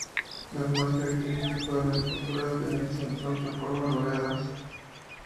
Lo más característico de las esculturas de Nielsen son sus formas redondeadas.